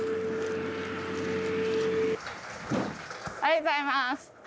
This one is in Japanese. おはようございます。